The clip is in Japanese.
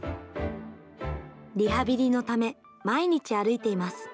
リハビリのため、毎日歩いています。